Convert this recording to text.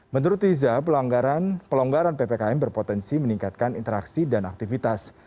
menurut riza pelonggaran ppkm berpotensi meningkatkan interaksi dan aktivitas